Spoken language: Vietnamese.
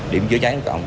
điểm chữa cháy công cộng